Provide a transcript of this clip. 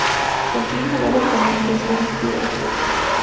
Ortiz jugaba como interior izquierdo.